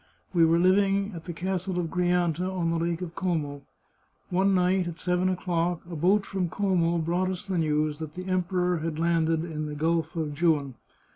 We were living at the Castle of Grianta, on the Lake of Como. One night, at seven o'clock, a boat from Como brought us the news that the Emperor had landed in the Gulf of Juan.